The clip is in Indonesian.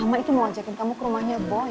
mama itu mau ajakin kamu ke rumahnya boy